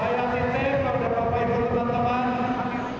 saya sisi kepada bapak ibu dan teman teman